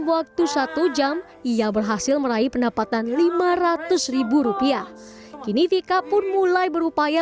waktu satu jam ia berhasil meraih pendapatan lima ratus rupiah kini vika pun mulai berupaya